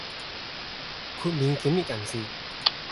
豁免檢疫人士